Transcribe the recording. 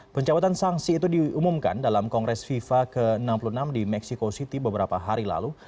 pencabutan sanksi itu diumumkan dalam kongres fifa ke enam puluh enam di meksiko city beberapa hari lalu